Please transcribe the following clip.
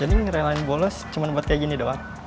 jadi ngerelain bolos cuma buat kayak gini doang